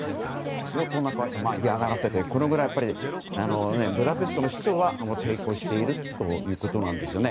相当な嫌がらせでこのぐらいブダペストの市長は抵抗しているということなんですよね。